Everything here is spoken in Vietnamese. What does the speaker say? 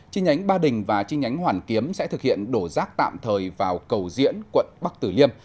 chi nhánh ba đình và chi nhánh hoàn kiếm sẽ thực hiện đổ rác tạm thời vào cầu diễn quận bắc tử liêm